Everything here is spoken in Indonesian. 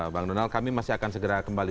bang donald kami masih akan segera kembali